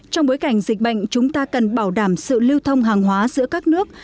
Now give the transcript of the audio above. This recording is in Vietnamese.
trong bối cảnh dịch bệnh chúng ta cần bảo đảm sự lưu thông hàng hóa giữa các nước